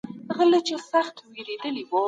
طبیعي علوم مادي او ژوندۍ پدیدې مطالعه کوي.